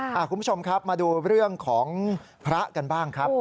คุณผู้ชมครับมาดูเรื่องของพระกันบ้างครับ